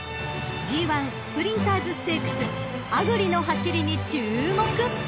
［ＧⅠスプリンターズステークスアグリの走りに注目］